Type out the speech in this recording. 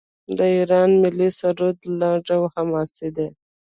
د ایران ملي سرود لنډ او حماسي دی.